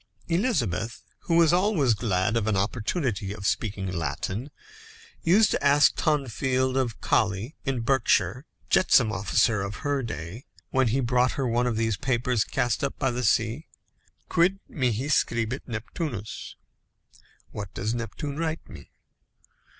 Elizabeth, who was always glad of an opportunity of speaking Latin, used to ask Tonfield, of Coley in Berkshire, jetsam officer of her day, when he brought her one of these papers cast up by the sea, "Quid mihi scribit Neptunus?" (What does Neptune write me?)